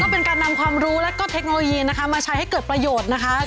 เป็นการนำความรู้แล้วก็เทคโนโลยีนะคะมาใช้ให้เกิดประโยชน์นะคะ